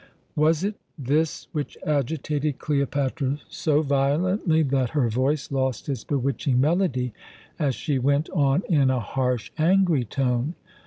Was it this which agitated Cleopatra so violently that her voice lost its bewitching melody, as she went on in a harsh, angry tone?